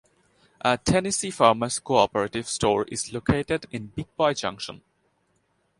A Tennessee Farmers Cooperative store is located in Big Boy Junction.